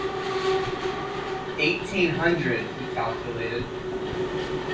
Eighteen hundred, he calculated.